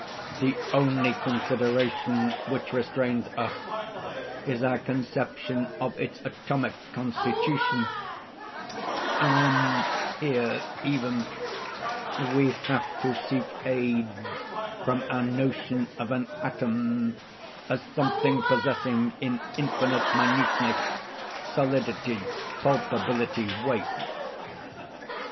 The only consideration which restrains us is our conception of its atomic constitution; and here, even, we have to seek aid from our notion of an atom, as something possessing in infinite minuteness, solidity, palpability, weight.